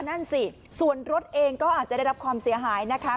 นั่นสิส่วนรถเองก็อาจจะได้รับความเสียหายนะคะ